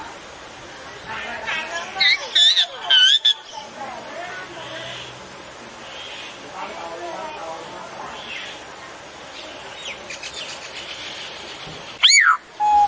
น้ำให้รับสร้าง